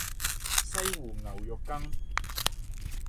西湖牛肉羹